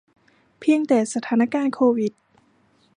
เพียงแต่สถานการณ์โควิด